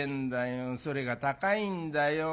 それが高いんだよ。